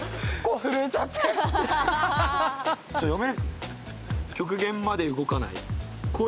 ちょっと読め。